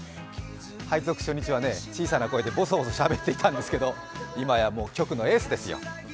配属初日は小さな声で、ぼそぼそしゃべっていたんですけど今やもう局のエースですよ。